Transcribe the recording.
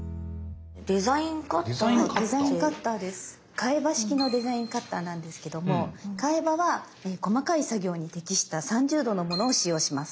替刃式のデザインカッターなんですけども替刃は細かい作業に適した３０°のものを使用します。